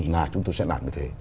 là chúng tôi sẽ làm như thế